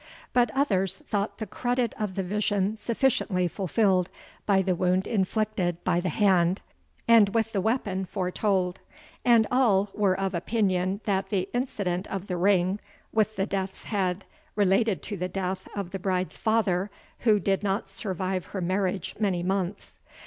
But others thought the credit of the vision sufficiently fulfilled, by the wound inflicted by the hand, and with the weapon, foretold; and all were of opinion, that the incident of the ring, with the death's head, related to the death of the bride's father, who did not survive her marriage many months.